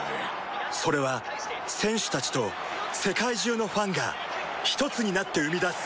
それは選手たちと世界中のファンがひとつになって生み出す